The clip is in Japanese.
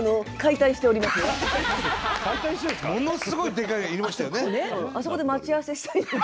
ものすごいでかいのいましたよね。